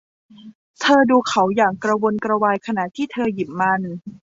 เธอดูเขาอย่างกระวนกระวายขณะที่เธอหยิบมัน